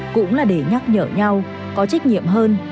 cũng là để nhắc nhở nhau có trách nhiệm hơn